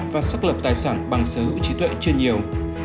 và xác lập tài sản bằng sở hữu trí tuệ trên nhiều